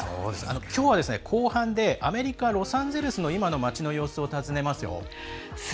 きょうは、後半でアメリカロサンゼルスの今の街の様子をたずねます。